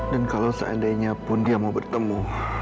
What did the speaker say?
dan kalau seandainya pun dia mau bertemu